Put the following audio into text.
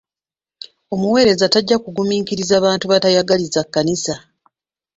Omuwereza tajja kugumiikiriza bantu batayagaliza kkanisa.